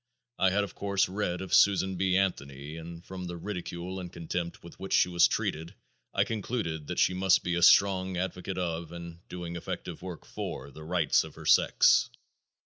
I had of course read of Susan B. Anthony and from the ridicule and contempt with which she was treated I concluded that she must be a strong advocate of, and doing effective work for, the rights of her sex.